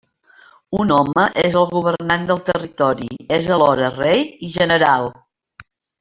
Un home és el governant del territori: és alhora rei i general.